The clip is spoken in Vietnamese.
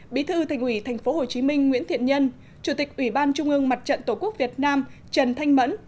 bí thư thành ủy tp hcm nguyễn thiện nhân chủ tịch ủy ban trung ương mặt trận tổ quốc việt nam trần thanh mẫn